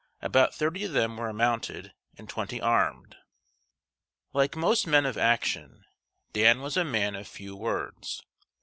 About thirty of them were mounted and twenty armed. Like most men of action, Dan was a man of few words.